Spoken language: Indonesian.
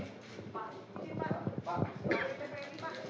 pak pak pak